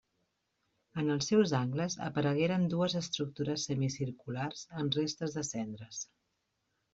En els seus angles aparegueren dues estructures semicirculars amb restes de cendres.